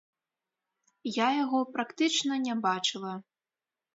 Я яго практычна не бачыла.